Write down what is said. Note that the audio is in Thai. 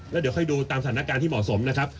แล้วเดี๋ยวค่อยดูตามสถานการณ์ที่เหมาะสมนะครับ